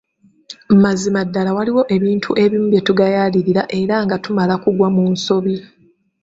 Mazima ddala waliwo ebintu ebimu bye tugayaalirira era nga tumala kugwa mu nsobi.